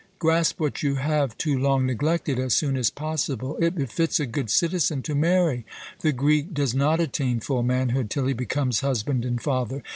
Grasp what you have too long neglected as soon as possible! It befits a good citizen to marry. The Greek does not attain full manhood till he becomes husband and father.